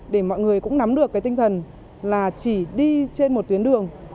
để mọi người cũng nắm được cái tinh thần là chỉ đi trên một tuyến đường